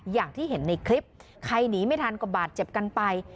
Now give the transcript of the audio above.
อย่างที่เห็นในคลิปใครหนีไม่ทันก็บาดเจ็บกันไป